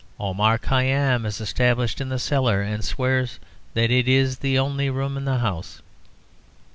Omar Khayyam is established in the cellar, and swears that it is the only room in the house.